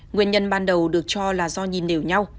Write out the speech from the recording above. nguyên nhân ban đầu được cho là do nhìn đều nhau